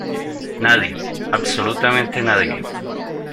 Nadie, absolutamente nadie.